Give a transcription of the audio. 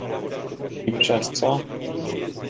"I przez co?"